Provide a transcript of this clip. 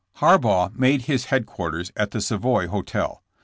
Harbaugh made his headquarters at the Savoy hotel.